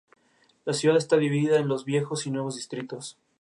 La ciudad está dividida en los viejos y nuevos distritos.